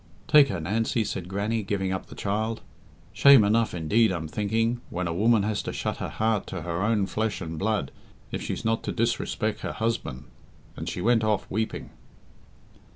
"Take her, Nancy," said Grannie, giving up the child. "Shame enough, indeed, I'm thinking, when a woman has to shut her heart to her own flesh and blood if she's not to disrespect her husband," and she went off, weeping.